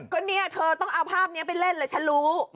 ก็เนี่ยเธอต้องเอาภาพนี้ไปเล่นเลยฉันรู้